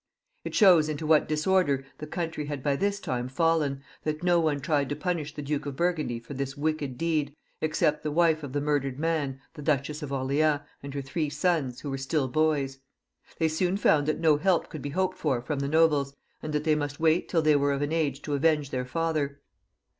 It shows iilto what disorder the country had by this time fallen, that no one tried to punish the Duke of Burgundy for this wicked deed, except the wife of the murdered man, the Duchess of Orleans, and her three sons, who were still boys. They soon found that no help could be hoped for from the nobles, and that they must wait till they were of an age to avenge their father.